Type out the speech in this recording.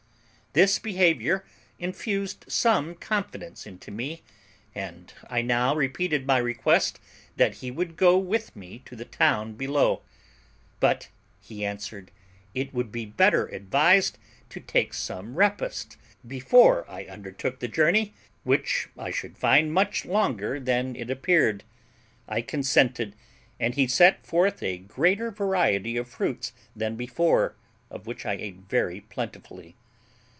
This behaviour infused some confidence into me, and I now repeated my request that he would go with me to the town below; but he answered, it would be better advised to take some repast before I undertook the journey, which I should find much longer than it appeared. I consented, and he set forth a greater variety of fruits than before, of which I ate very plentifully.